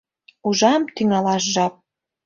Ужам, тӱҥалаш жап.